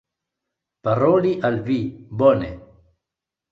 paroli al vi, bone.